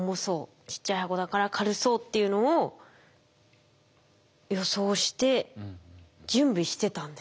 「ちっちゃい箱だから軽そう」っていうのを予想して準備してたんですね。